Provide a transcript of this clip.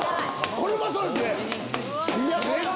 これうまそうですね！